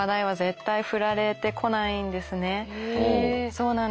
そうなんです。